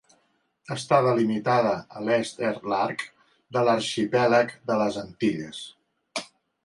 Està delimitada a l'est er l'arc de l'arxipèlag de les Antilles.